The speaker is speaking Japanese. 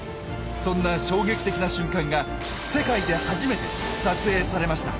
そんな衝撃的な瞬間が世界で初めて撮影されました！